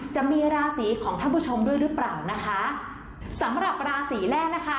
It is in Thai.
จะมีราศีของท่านผู้ชมด้วยหรือเปล่านะคะสำหรับราศีแรกนะคะ